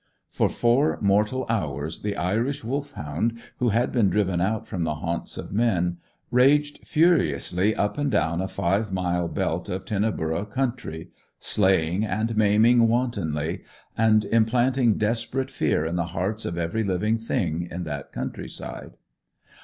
For four mortal hours the Irish Wolfhound, who had been driven out from the haunts of men, raged furiously up and down a five mile belt of Tinnaburra country, slaying and maiming wantonly, and implanting desperate fear in the hearts of every living thing in that countryside.